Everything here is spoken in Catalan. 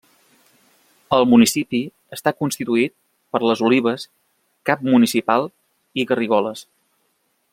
El municipi està constituït per Les Olives, cap municipal, i Garrigoles.